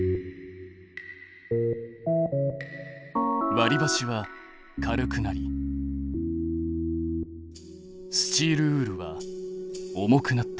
割りばしは軽くなりスチールウールは重くなった。